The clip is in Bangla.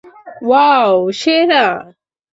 ওয়াও, সেরা!